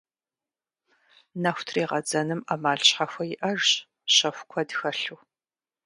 Нэху трегъэдзэным ӏэмал щхьэхуэ иӏэжщ, щэху куэд хэлъу.